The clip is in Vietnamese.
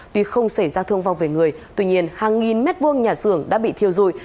tuy không xảy ra thương vong về người tuy nhiên hàng nghìn mét vuông nhà xưởng đã bị thiêu dụi